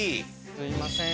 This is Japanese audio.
すみません。